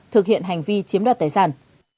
thực hiện hành vi chiếm đoạt tài sản